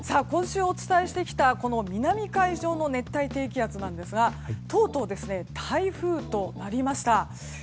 今週お伝えしてきた南海上の熱帯低気圧なんですがとうとう台風となりました。